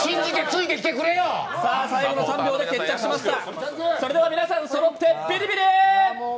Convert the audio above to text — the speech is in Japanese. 最後の３秒で決着しました。